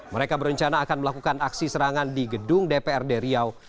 mereka berencana akan melakukan aksi serangan di gedung dprd riau